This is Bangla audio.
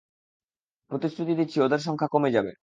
প্রতিশ্রুতি দিচ্ছি ওদের সংখ্যা কমে যাবে।